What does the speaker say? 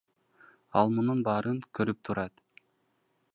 Ал мунун баарын көрүп турат.